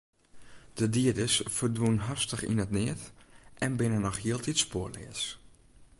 De dieders ferdwûnen hastich yn it neat en binne noch hieltyd spoarleas.